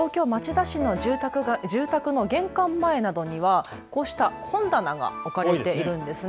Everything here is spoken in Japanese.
東京町田市の住宅の玄関前などにはこうした本棚が置かれているんですね。